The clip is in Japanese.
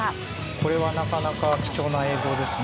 これはなかなか貴重な映像ですね。